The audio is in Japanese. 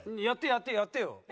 やってやってやってよ。